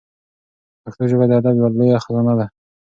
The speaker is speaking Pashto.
پښتو ژبه د ادب یوه لویه خزانه ده.